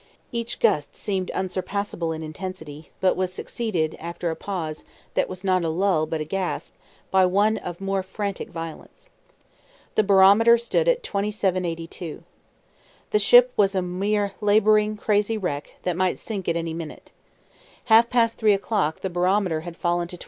Each gust seemed unsurpassable in intensity, but was succeeded, after a pause, that was not a lull but a gasp, by one of more frantic violence. The barometer stood at 27:82. The ship was a mere labouring, crazy wreck, that might sink at any moment. At half past three o'clock the barometer had fallen to 27:62.